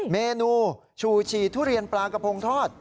เมนูชูฉี่ทุเรียนปลากระพงทอด